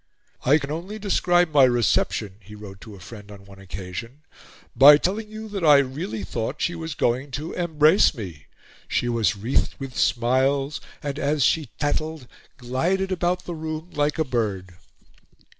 "I can only describe my reception," he wrote to a friend on one occasion, "by telling you that I really thought she was going to embrace me. She was wreathed with smiles, and, as she tattled, glided about the room like a bird."